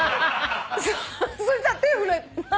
そしたら手震え。